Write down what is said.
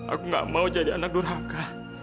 aku gak mau jadi anak durhaka